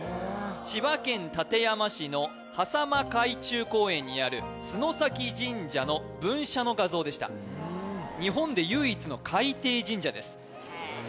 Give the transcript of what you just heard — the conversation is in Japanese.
千葉県館山市の波左間海中公園にある洲崎神社の分社の画像でした日本で唯一の海底神社です